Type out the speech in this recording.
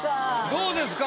どうですか？